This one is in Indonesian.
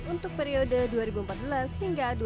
untuk periode dua ribu empat belas hingga dua ribu sembilan belas